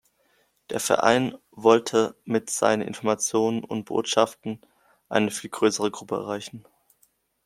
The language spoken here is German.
Der Verein wollte mit seinen Informationen und Botschaften eine viel größere Gruppe erreichen.